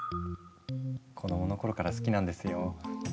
子供の頃から好きなんですよ。